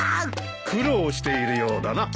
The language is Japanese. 苦労しているようだな磯野。